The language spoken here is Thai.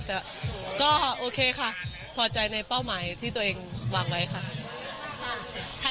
แต่ก็โอเคค่ะพอใจในเป้าหมายที่ตัวเองวางไว้ค่ะ